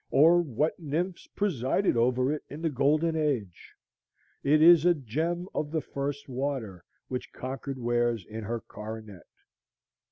or what nymphs presided over it in the Golden Age? It is a gem of the first water which Concord wears in her coronet.